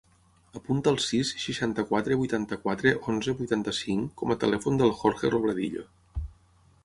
Apunta el sis, seixanta-quatre, vuitanta-quatre, onze, vuitanta-cinc com a telèfon del Jorge Robledillo.